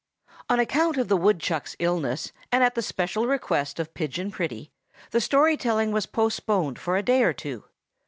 ON account of the woodchuck's illness, and at the special request of Pigeon Pretty, the story telling was postponed for a day or two.